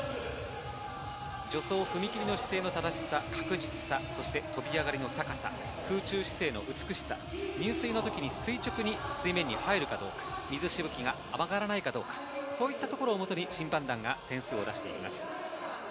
助走、踏み切りの姿勢、確実さ、飛び上がりの高さ、空中姿勢の美しさ、入水の時に垂直に水面に入るかどうか、水しぶきが上がらないかどうか、そういったところも審判団が点数を出していきます。